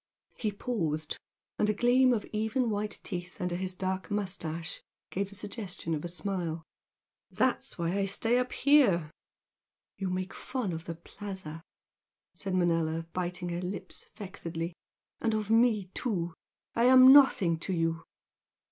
he paused, and a gleam of even white teeth under his dark moustache gave the suggestion of a smile "That's why I stay up here." "You make fun of the Plaza" said Manella, biting her lips vexedly "And of me, too. I am nothing to you!"